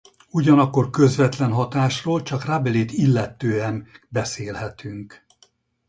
Ugyanakkor közvetlen hatásról csak Rabelais-t illetően beszélhetünk.